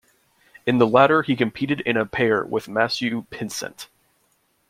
In the latter he competed in a pair with Matthew Pinsent.